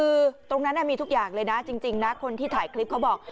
คือตรงนั้นมีทุกอย่างเลยนะจริงนะคนที่ถ่ายคลิปเขาบอก